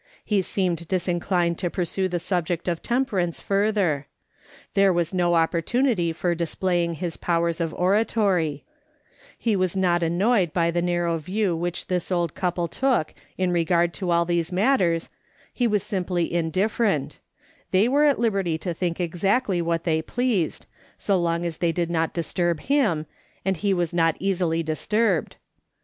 He seemed disinclined to pursue the subject of temperance further. There was no opportunity for displaying his powers of oratory ; he was not an noyed by the narrow view which tliis old couple took in regard to all these matters ; he was simply indifferent ; they were at liberty to think exactly what they pleased, so long as they did not disturb him, and he was not easily disturbed.